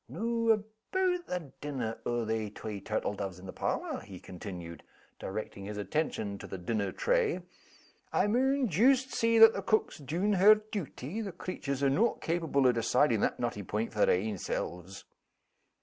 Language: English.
"Noo aboot the dinner o' they twa turtle doves in the parlor?" he continued, directing his attention to the dinner tray. "I maun joost see that the cook's 's dune her duty the creatures are no' capable o' decidin' that knotty point for their ain selves."